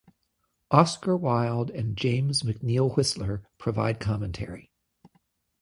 Oscar Wilde and James McNeill Whistler provide commentary.